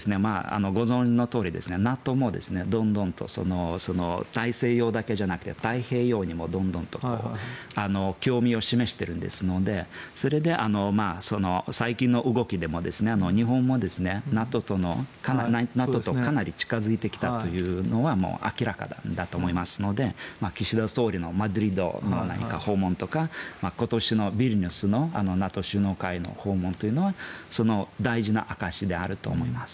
ご存じのとおりＮＡＴＯもどんどんと大西洋だけじゃなくて太平洋にもどんどんと興味を示してますのでそれで、最近の動きでも日本もＮＡＴＯとかなり近付いてきたというのは明らかだと思いますので岸田総理のマドリードの訪問とか今年のビリニュスのＮＡＴＯ首脳会談の訪問はその大事な証しであると思います。